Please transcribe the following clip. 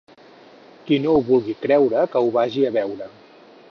Qui no ho vulgui creure que ho vagi a veure.